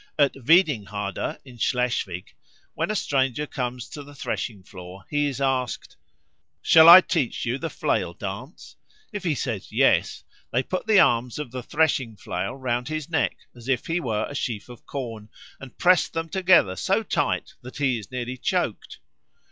At Wiedingharde in Schleswig when a stranger comes to the threshing floor he is asked, "Shall I teach you the flail dance?" If he says yes, they put the arms of the threshing flail round his neck as if he were a sheaf of corn, and press them together so tight that he is nearly choked.